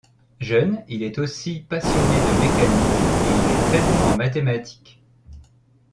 Jeune il est aussi passionné de mécanique et il est très bon en mathématiques.